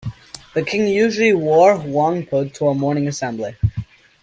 The king usually wore Hwangpo to a morning assembly.